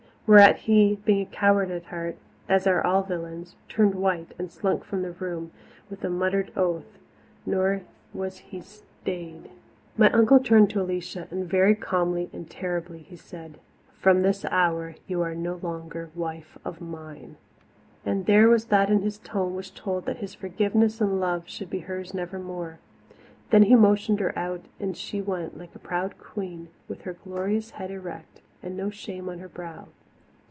Whereat he, being a coward at heart, as are all villains, turned white and slunk from the room with a muttered oath, nor was he stayed. My uncle turned to Alicia, and very calmly and terribly he said, "From this hour you are no longer wife of mine!" And there was that in his tone which told that his forgiveness and love should be hers nevermore. Then he motioned her out and she went, like a proud queen, with her glorious head erect and no shame on her brow.